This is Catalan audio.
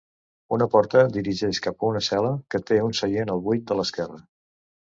Una porta dirigeix cap a una cel·la, que té un seient al buit de l"esquerra.